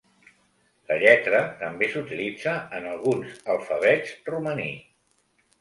La lletra també s'utilitza en alguns alfabets romaní.